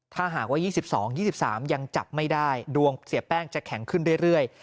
ถ้าหากว่า๒๒๒๓ยังจับไม่ได้ดวงเสียแป้งจะแข็งขึ้นเรื่อย